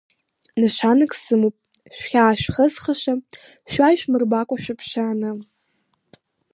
Нашанак сымоуп шәхьаа шәхызхша, шәа ишәмырбакәа шәыԥшааны.